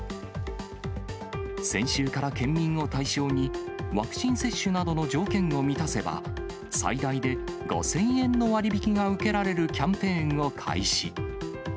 先週から県民を対象に、ワクチン接種などの条件を満たせば、最大で５０００円の割引が受けられるキャンペーンを開始。